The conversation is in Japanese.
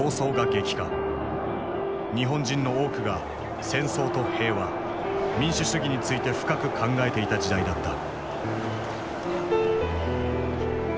日本人の多くが戦争と平和民主主義について深く考えていた時代だった。